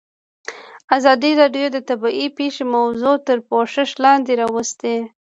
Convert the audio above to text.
ازادي راډیو د طبیعي پېښې موضوع تر پوښښ لاندې راوستې.